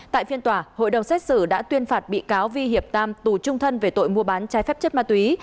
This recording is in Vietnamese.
tại phiên tòa hội đồng xét xử đã tuyên phạt bị cáo vi hiệp tam tù trung thân về tội mua bán trái phép chất ma túy